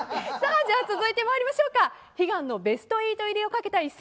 続いてまいりましょうか悲願のベスト８入りを懸けた一戦。